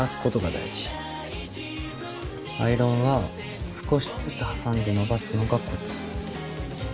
アイロンは少しずつ挟んで伸ばすのがコツ。